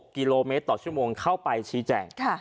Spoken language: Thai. กิโลเมตรต่อชั่วโมงเข้าไปชี้แจง